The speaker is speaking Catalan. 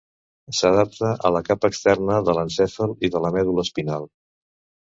S'adapta a la capa externa de l'encèfal i de la medul·la espinal.